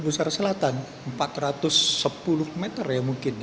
pusar selatan empat ratus sepuluh m ya mungkin ya